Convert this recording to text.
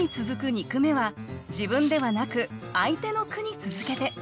二句目は自分ではなく相手の句に続けて。